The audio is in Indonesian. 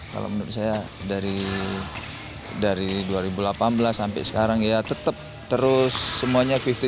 kalau menurut saya dari dua ribu delapan belas sampai sekarang ya tetap terus semuanya lima puluh